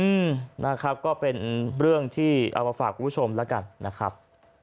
อืมนะครับก็เป็นเรื่องที่เอามาฝากคุณผู้ชมแล้วกันนะครับ